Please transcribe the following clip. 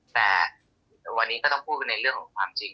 แต่วันนี้ก็ต้องพูดในเรื่องของความจริง